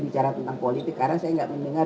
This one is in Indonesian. bicara tentang politik karena saya enggak mendengar